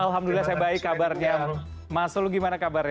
alhamdulillah saya baik kabarnya mas lu gimana kabarnya